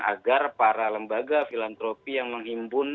agar para lembaga filantropi yang menghimpun